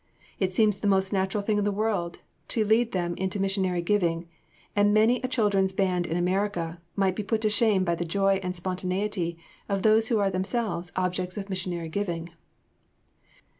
It seems the most natural thing in the world to lead them into missionary giving, and many a children's band in America might be put to shame by the joy and spontaneity of those who are themselves objects of missionary giving.